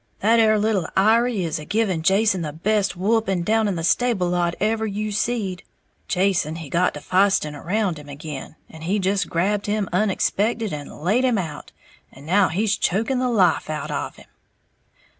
"That 'ere little Iry is a giving Jason the best whupping down in the stable lot ever you seed. Jason he got to feisting around him ag'in, and he just grabbed him unexpected, and laid him out, and now he's choking the life out of him!"